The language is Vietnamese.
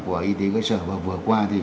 của y tế cơ sở vừa qua